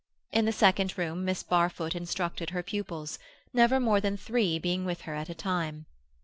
In the second room Miss Barfoot instructed her pupils, never more than three being with her at a time.